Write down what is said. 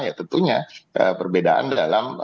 ya tentunya perbedaan dalam